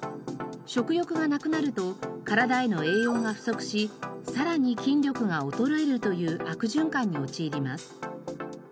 食欲がなくなると体への栄養が不足しさらに筋力が衰えるという悪循環に陥ります。